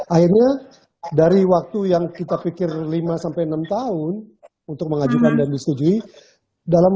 akhirnya dari waktu yang kita pikir lima enam tahun untuk mengajukan dan disetujui dalam